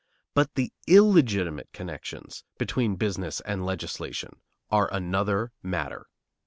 But the illegitimate connections between business and legislation are another matter.